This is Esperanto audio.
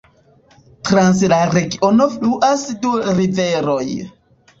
Trans la regiono fluas du riveroj.